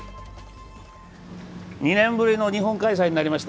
２年ぶりの日本開催になりました